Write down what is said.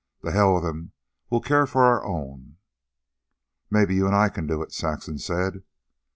"To hell with'm. We'll care for our own." "Maybe you and I can do it," Saxon said.